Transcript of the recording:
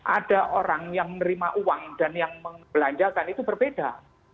ada orang yang menerima uang dan yang membelanjakan itu berbeda